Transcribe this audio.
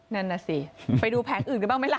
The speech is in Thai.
นั่นน่ะสิไปดูแผงอื่นกันบ้างไหมล่ะ